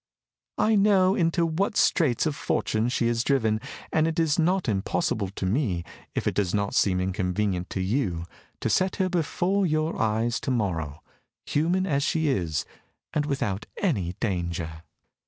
I know into what straits of fortune she is driven, and it is not impossible to me, if it does not seem inconvenient to you, to set her before your eyes to morrow, human as she is, and without any danger."